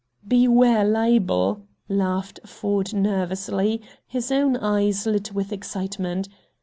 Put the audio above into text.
"Beware libel," laughed Ford nervously, his own eyes lit with excitement.